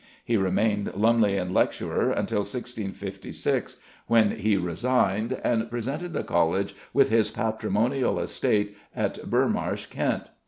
He remained Lumleian lecturer until 1656, when he resigned, and presented the College with his patrimonial estate at Burmarsh, Kent.